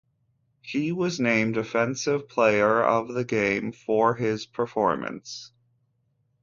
He was named Offensive Player of the Game for his performance.